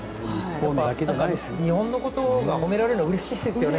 日本のことが褒められるのはうれしいですよね。